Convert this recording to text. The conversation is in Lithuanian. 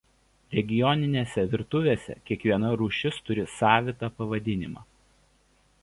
Regioninėse virtuvėse kiekviena rūšis turi savitą pavadinimą.